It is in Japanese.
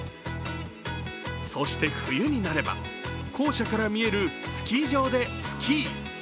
そして冬になれば、校舎から見えるスキー場でスキー。